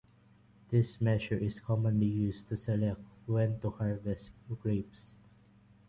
This measure is commonly used to select when to harvest grapes.